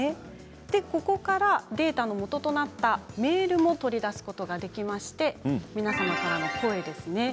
ここからデータの元となったメールも取り出すことができまして皆さんからの声ですね。